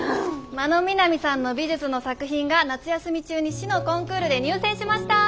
真野みなみさんの美術の作品が夏休み中に市のコンクールで入選しました！